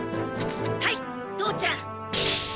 はい父ちゃん！